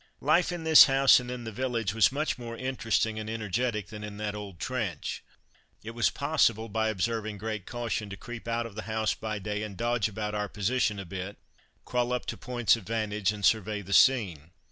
Life in this house and in the village was much more interesting and energetic than in that old trench. It was possible, by observing great caution, to creep out of the house by day and dodge about our position a bit, crawl up to points of vantage and survey the scene.